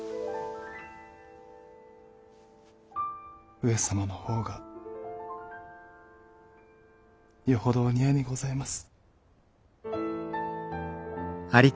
上様の方がよほどお似合いにございます。